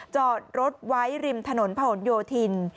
จอดรถไว้ริมถนนผนโยธิน